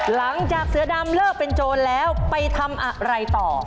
หลังจากเสือดำเลิกเป็นโจรแล้วไปทำอะไรต่อ